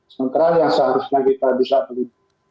sementara yang seharusnya kita bisa beli